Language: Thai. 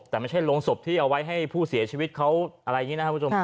แต่ไม่ใช่โรงศพที่เอาไว้ให้ผู้เสียชีวิตเขาอะไรอย่างนี้นะครับคุณผู้ชม